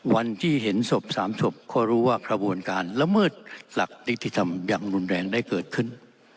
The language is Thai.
วันที่เห็นศพ๓ศพก็รู้ว่ากระบวนการละเมิดหลักนิติธรรมอย่างรุนแรงได้เกิดขึ้น